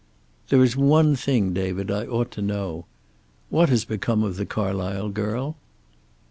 "There is one thing, David, I ought to know. What has become of the Carlysle girl?"